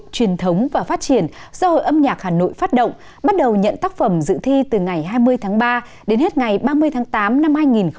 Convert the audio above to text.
các hội âm nhạc hà nội phát động bắt đầu nhận tác phẩm dự thi từ ngày hai mươi tháng ba đến hết ngày ba mươi tháng tám năm hai nghìn một mươi chín